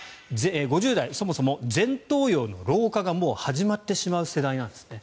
５０代はそもそも前頭葉の老化がもう始まってしまう世代なんですね。